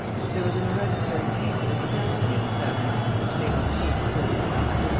There was an hereditary taint of insanity in the family, which made his case still more discouraging.